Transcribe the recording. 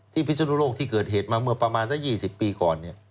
พิศนุโลกที่เกิดเหตุมาเมื่อประมาณสัก๒๐ปีก่อน